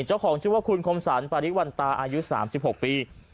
เจ้าของชื่อว่าคุณคมสรรปริวันตาอายุ๓๖ปี